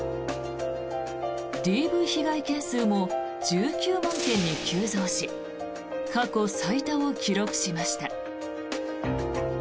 ＤＶ被害件数も１９万件に急増し過去最多を記録しました。